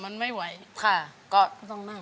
เพลงที่๒นะครับ